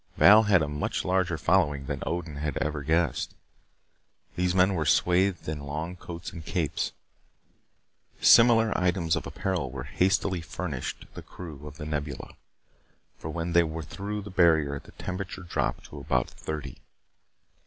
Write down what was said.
Val had a much larger following than Odin had ever guessed. These men were swathed in long coats and capes. Similar items of apparel were hastily furnished the crew of The Nebula for when they were through the barrier the temperature dropped to about thirty.